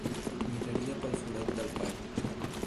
Miraria pel forat del pany.